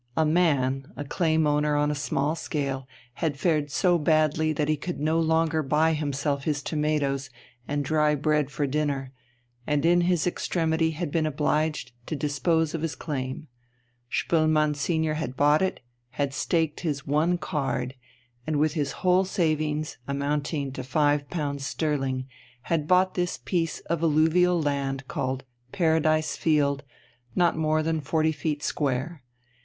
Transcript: A man, a claim owner on a small scale, had fared so badly that he could no longer buy himself his tomatoes and dry bread for dinner, and in his extremity had been obliged to dispose of his claim. Spoelmann senior had bought it, had staked his one card, and, with his whole savings, amounting to £5 sterling, had bought this piece of alluvial land called "Paradise Field," not more than forty feet square.